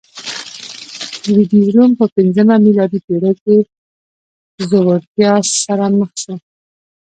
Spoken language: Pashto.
لوېدیځ روم په پنځمه میلادي پېړۍ کې ځوړتیا سره مخ شو